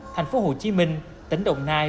thành phố hồ chí minh tỉnh đồng nai